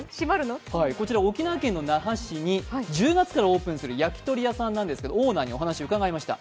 こちら、沖縄県の那覇市に１０月からオープンする焼鳥屋さんなんですけれどもオーナーにお話を聞きました。